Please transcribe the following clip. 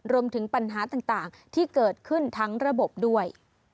รวมถึงปัญหาต่างที่เกิดขึ้นทั้งระบบด้วย